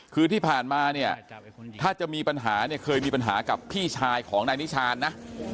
คือที่ผ่านมาเนี่ยถ้าจะมีปัญหาเนี่ยเคยมีปัญหากับพี่ชายของนายนิชานนะ